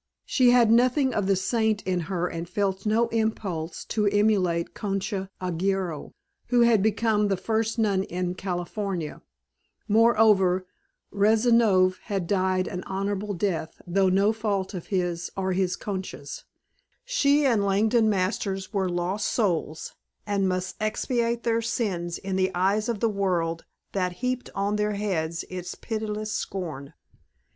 She had nothing of the saint in her and felt no impulse to emulate Concha Arguello, who had become the first nun in California; moreover, Razanov had died an honorable death through no fault of his or his Concha's. She and Langdon Masters were lost souls and must expiate their sins in the eyes of the world that heaped on their heads its pitiless scorn.